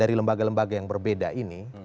dari lembaga lembaga yang berbeda ini